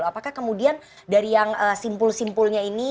apakah kemudian dari yang simpul simpulnya ini